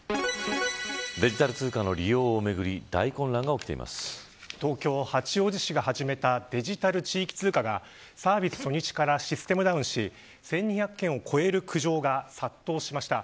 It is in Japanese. デジタル通貨の利用をめぐり東京・八王子市が始めたデジタル地域通貨がサービス初日からシステムダウンし１２００件を超える苦情が殺到しました。